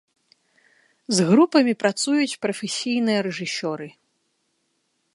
З групамі працуюць прафесійныя рэжысёры.